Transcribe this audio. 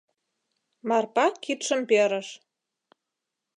Марпа кидшым перыш: